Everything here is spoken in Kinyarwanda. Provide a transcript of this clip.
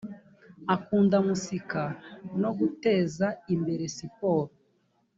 akunda musika no guteza imbere siporo